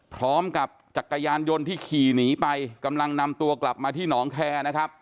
พร้อมกับจักรยานยนต์ที่ขี่หนีไปกำลังนำตัวกลับมาที่หนองแคร์นะครับ